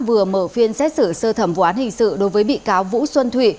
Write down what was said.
vừa mở phiên xét xử sơ thẩm vụ án hình sự đối với bị cáo vũ xuân thụy